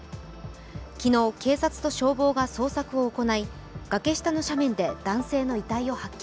昨日、警察と消防が捜索を行い崖下の斜面で男性の遺体を発見。